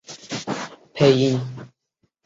配音人员和动画版相同。